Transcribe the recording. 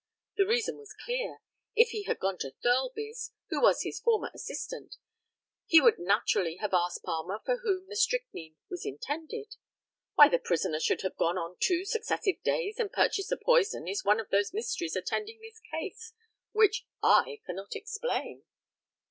The reason was clear. If he had gone to Thirlby's, who was his former assistant, he would naturally have asked Palmer for whom the strychnine was intended. Why the prisoner should have gone on two successive days and purchased the poison is one of those mysteries attending this case which I cannot explain.